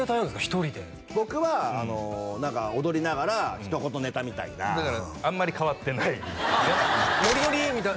１人で僕は踊りながらひと言ネタみたいなだからあんまり変わってないあっ「ノリノリ」みたいな